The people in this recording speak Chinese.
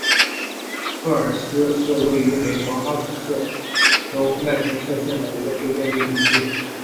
赫亚尔思是位于美国阿肯色州麦迪逊县的一个非建制地区。